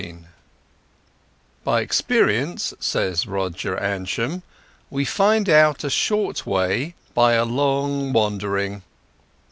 XV "By experience," says Roger Ascham, "we find out a short way by a long wandering."